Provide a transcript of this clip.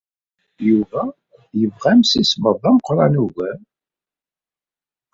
Yuba yebɣa imsismeḍ d ameqran ugar.